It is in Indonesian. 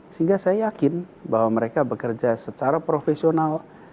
sehingga saya yakin bahwa mereka bekerja secara profesional